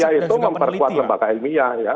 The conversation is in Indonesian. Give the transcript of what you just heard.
justru tugas saya itu memperkuat lembaga ilmiah ya